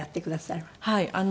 はい。